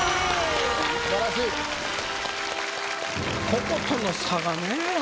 こことの差がね。